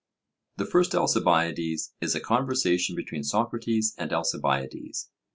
The First Alcibiades is a conversation between Socrates and Alcibiades.